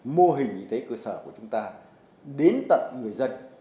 mô hình y tế cơ sở của chúng ta đến tận người dân